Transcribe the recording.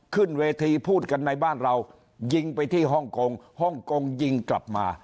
ขึ้นเวทีพูดกันในบ้านเรายิงไปที่ฮ่องกงฮ่องกงยิงกลับมา